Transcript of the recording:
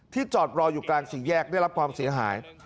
จอดรออยู่กลางสี่แยกได้รับความเสียหาย